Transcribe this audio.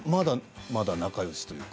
まだ仲よしというか。